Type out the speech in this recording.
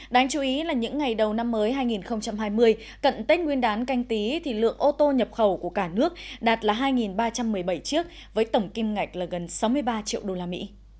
đáng chú ý là những ngày đầu năm mới hai nghìn hai mươi cận tết nguyên đán canh tí thì lượng ô tô nhập khẩu của cả nước đạt là hai ba trăm một mươi bảy chiếc với tổng kim ngạch là gần sáu mươi ba triệu usd